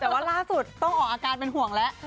แต่ว่าล่าสุดต้องออกอาการเป็นห่วงแล้ว